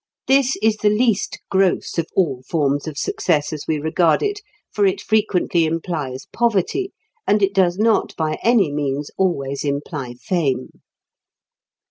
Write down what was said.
This is the least gross of all forms of success as we regard it, for it frequently implies poverty, and it does not by any means always imply fame.